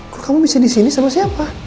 kok kamu bisa disini sama siapa